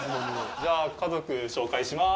じゃあ家族紹介します。